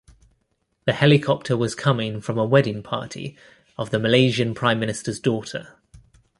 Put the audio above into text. The helicopter was coming from a wedding party of the Malaysian Prime Minister's daughter.